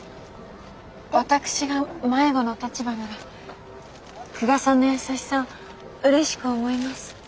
私が迷子の立場なら久我さんの優しさをうれしく思います。